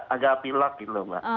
ada pilak gitu loh mbak